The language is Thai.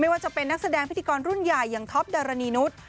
ว่าจะเป็นนักแสดงพิธีกรรุ่นใหญ่อย่างท็อปดารณีนุษย์